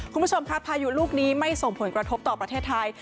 คุณผู้ชมครับพายุลูกนี้ไม่ส่งผลกระทบต่อประเทศไทย